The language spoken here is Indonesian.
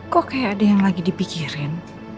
kok kayak ada yang lagi dipikirin